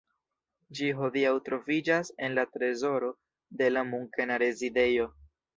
Ĝi hodiaŭ troviĝas en la trezoro de la Munkena Rezidejo.